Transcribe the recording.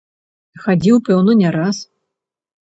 Хадзіў, пэўна, не раз.